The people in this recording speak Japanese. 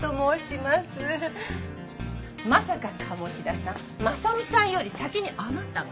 まさか鴨志田さん真実さんより先にあなたが？